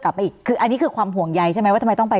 ไปอีกคืออันนี้คือความห่วงใยใช่ไหมว่าทำไมต้องไป